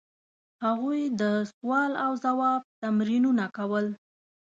هغوی د سوال او ځواب تمرینونه کول.